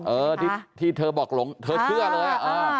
เออที่เธอบอกหลงเธอเชื่อเลย